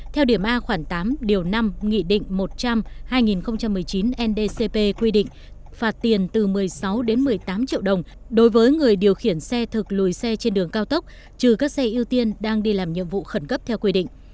theo điểm a khoảng tám điều năm nghị định một trăm linh hai nghìn một mươi chín ndcp quy định phạt tiền từ một mươi sáu đến một mươi tám triệu đồng đối với người điều khiển xe thực lùi xe trên đường cao tốc trừ các xe ưu tiên đang đi làm nhiệm vụ khẩn cấp theo quy định